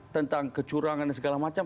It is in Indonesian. tentang kecurangan dan segala macam